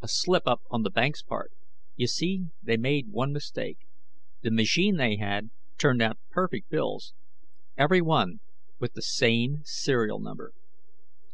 "A slip up on the bank's part. You see they made one mistake. The machine they had, turned out perfect bills. Every one with the same serial number...."